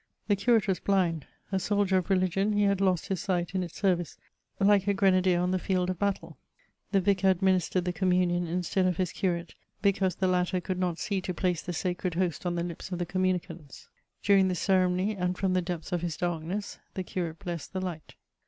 The curate was blind ; a soldier of religion, he had lost his sight in its service, like a grenadier on the field of battle. The vicar ad ministered the communion instead of his curate, because the latter could not see to place the sacred host on the lips of the communicants. During this ceremony, and from the depths of his darkness, the curate blessed the light.